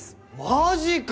マジか！